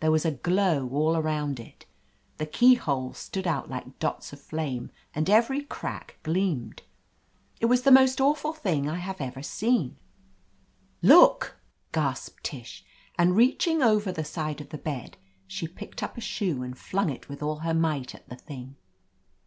There was a glow all around it. The keyholes stood out like dots of flame, and every crack gleamed. It was the most awful thing I have ever seen. "Look !" gasped Tish, and, reaching over the side of the bed, she picked up a shoe and flung it with all her might at the thing.